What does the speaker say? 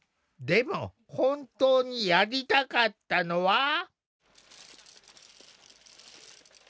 でも本当にやりたかったのは。